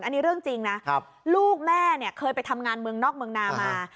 อันนี้เรื่องจริงนะลูกแม่เนี่ยเคยไปทำงานเมืองนอกเมืองนามา